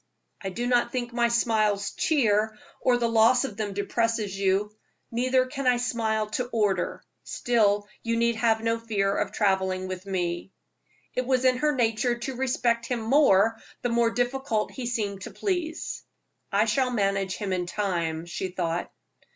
"I do not think my smiles cheer, or the loss of them depresses you. Neither can I smile to order; still you need have no fear of traveling with me." It was in her nature to respect him more, the more difficult he seemed to please. "I shall manage him in time," she thought.